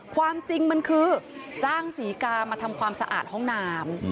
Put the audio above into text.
ความจริงมันคือจ้างศรีกามาทำความสะอาดห้องน้ำ